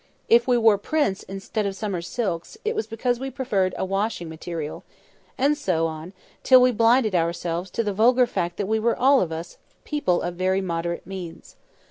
If we wore prints, instead of summer silks, it was because we preferred a washing material; and so on, till we blinded ourselves to the vulgar fact that we were, all of us, people of very moderate means.